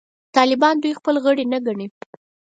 طالبان دوی خپل غړي نه ګڼي.